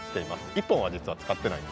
１本は実は使ってない。